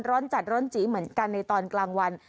ร้อนจัดร้อนจีเหมือนกันในตอนกลางวัน